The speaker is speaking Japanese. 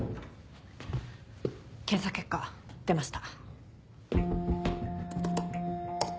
検査結果出ました。